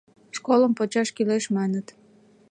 Школым почаш кӱлеш, маныт.